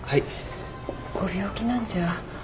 ご病気なんじゃ。